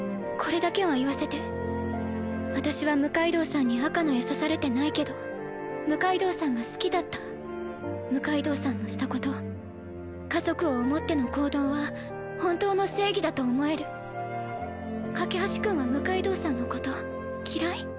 これだけは言わせて私は六階堂さんに赤の矢刺されてないけど六階堂さんが好きだった六階堂さんのしたこと家族を思っての行動は本当の正義だと思える架橋君は六階堂さんのこと嫌い？